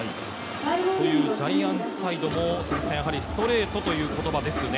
というジャイアンツサイドのストレートという言葉ですよね。